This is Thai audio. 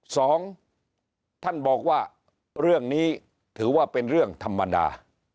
สองท่านบอกว่าเรื่องนี้ถือว่าเป็นเรื่องธรรมดา